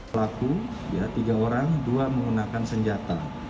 pelaku tiga orang dua menggunakan senjata